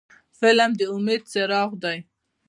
فلم د امید څراغ دی